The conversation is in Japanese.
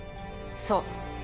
そう。